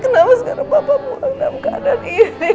kenapa sekarang bapak pulang dalam keadaan ini